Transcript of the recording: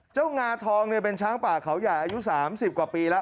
เจ้างาทองนี่เป็นช้างป่าขาวใหญ่อายุ๓๐กว่าปีละ